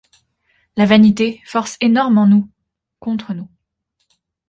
La vanité, force énorme en nous, contre nous.